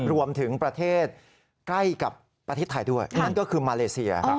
รวมถึงประเทศใกล้กับประเทศไทยด้วยนั่นก็คือมาเลเซีย